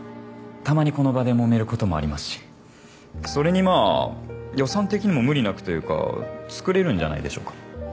たまにこの場でもめることもありますしそれにまあ予算的にも無理なくというか作れるんじゃないでしょうか？